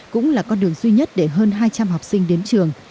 cũng là con đường duy nhất để hơn hai trăm linh học sinh đến trường